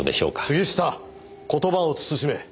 杉下言葉を慎め。